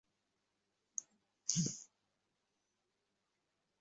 এ ধরনের গবষণার ক্ষেত্রে এটাই সবচেয়ে বড় বলে দাবি করেন তিনি।